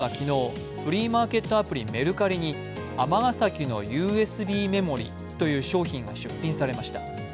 こうした中、昨日、フリーマーケットアプリ、メルカリに「尼崎のＵＳＢメモリ」という商品が出品されました。